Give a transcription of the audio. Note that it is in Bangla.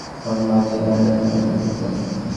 তোদের মা যে আমার এক মায়ের পেটের বোন।